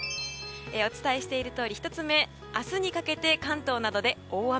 お伝えしているとおり１つ目明日にかけて関東で大雨。